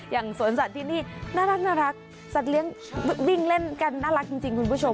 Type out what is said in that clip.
สวนสัตว์ที่นี่น่ารักสัตว์เลี้ยงวิ่งเล่นกันน่ารักจริงคุณผู้ชม